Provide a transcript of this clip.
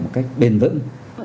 một cách bền vững